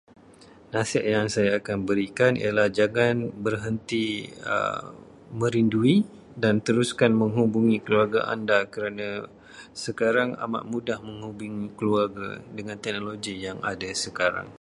Nasihat yang saya akan berikan ialah jangan berhenti merindui dan teruskan menghubungi keluarga anda kerana sekarang amat mudah menghubungi keluarga dengan teknologi yang ada sekarang.